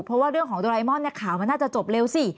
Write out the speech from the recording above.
เพราะว่าเรื่องของโดไรมอนเนี่ยข่าวมันน่าจะจบเร็วสิ